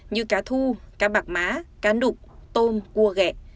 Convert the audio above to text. như cá thu cá bạc má cá nục tôm cua ghẹ